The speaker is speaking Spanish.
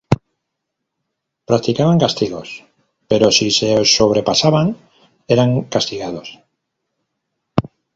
Practicaban castigos pero si se sobrepasaban eran castigados.